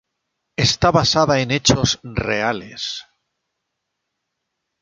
Está basada en hechos reales.